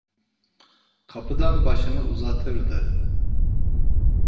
Kapıdan başını uzatırdı.